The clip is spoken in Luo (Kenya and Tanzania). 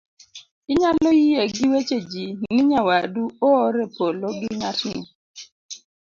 inyalo yie gi weche ji ni nyawadu oor e polo gi ng'atni